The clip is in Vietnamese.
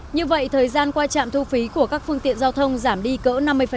như vậy thời gian qua trạm thu phí của các phương tiện giao thông giảm đi cỡ năm mươi